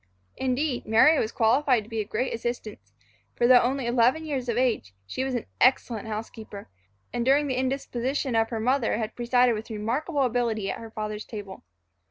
Indeed, Mary was qualified to be of great assistance; for though only eleven years of age, she was an excellent housekeeper, and during the indisposition of her mother had presided with remarkable ability at her father's table.